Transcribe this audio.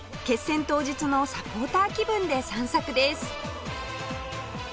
決戦当日のサポーター気分で散策です